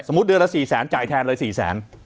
เดือนละ๔แสนจ่ายแทนเลย๔แสน